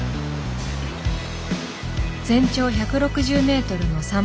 全長１６０メートルの桟橋。